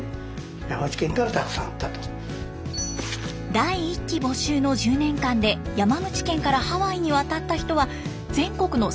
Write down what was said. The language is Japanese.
第１期募集の１０年間で山口県からハワイに渡った人は全国の３分の１。